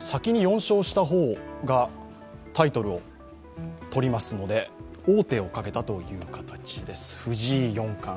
先に４勝した方がタイトルを取りますので、王手をかけたという形です、藤井四冠。